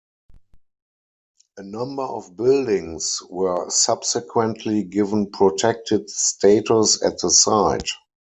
A number of buildings were subsequently given protected status at the site.